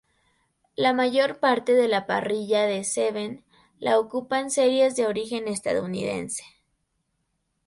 La mayor parte de la parrilla de Seven la ocupan series de origen estadounidense.